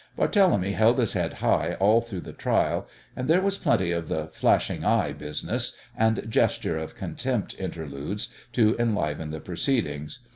Barthélemy held his head high all through the trial, and there was plenty of the "flashing eye" business and gesture of contempt interludes to enliven the proceedings.